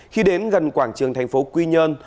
khi đến gần quảng trường thành phố quy nhơn